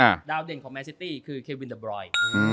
มาร์ทความเกี่ยวก็โอเคคือเควินเตอร์บรอย